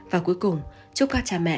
và cuối cùng chúc các cha mẹ